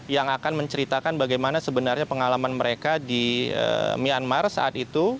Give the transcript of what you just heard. yang akan menceritakan bagaimana sebenarnya pengalaman mereka di myanmar saat itu